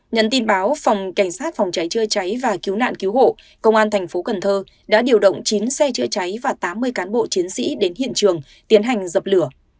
nhận tin báo phòng cảnh sát phòng cháy chữa cháy và cứu nạn cứu hộ công an thành phố cần thơ đã điều động chín xe chữa cháy và tám mươi cán bộ chiến sĩ đến hiện trường tiến hành dập lửa